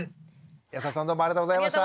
安田さんどうもありがとうございました。